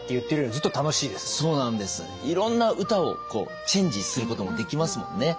いろんな歌をチェンジすることもできますもんね。